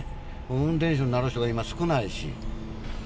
運転手になる人が今、少ないし。